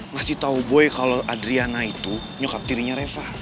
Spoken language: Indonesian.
masih tau boy kalo adriana itu nyokap dirinya reva